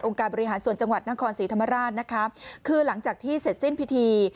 การบริหารส่วนจังหวัดนครศรีธรรมราชนะคะคือหลังจากที่เสร็จสิ้นพิธี